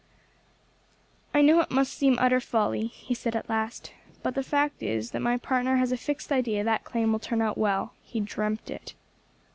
"I know it must seem utter folly," he said at last, "but the fact is my partner has a fixed idea that claim will turn out well; he dreamt it."